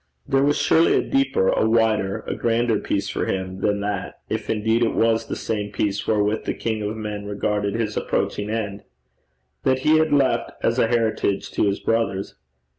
There was surely a deeper, a wider, a grander peace for him than that, if indeed it was the same peace wherewith the king of men regarded his approaching end, that he had left as a heritage to his brothers.